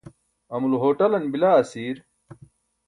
amulo hoṭalan bila asiir?